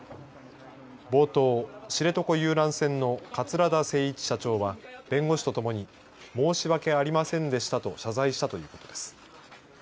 冒頭、知床遊覧船の桂田精一社長は弁護士とともに申し訳ありませんでしたと謝罪したということです。